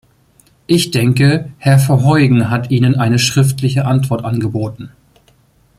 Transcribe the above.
Ich denke, Herr Verheugen hat Ihnen eine schriftliche Antwort angeboten.